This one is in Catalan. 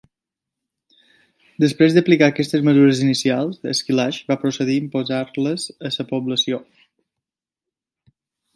Després d'aplicar aquestes mesures inicials, Esquilache va procedir a imposar-les a la població.